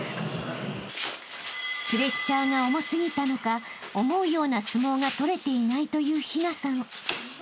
［プレッシャーが重過ぎたのか思うような相撲が取れていないという陽奈さん］